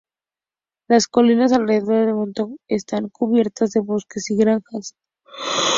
Las colinas alrededor de Monmouth están cubiertas de bosques y granjas.